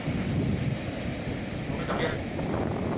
Nkou o ne tank ya ?